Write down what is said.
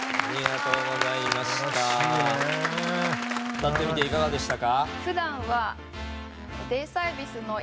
歌ってみていかがでしたか？